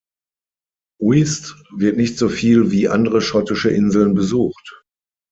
Uist wird nicht so viel wie andere schottische Inseln besucht.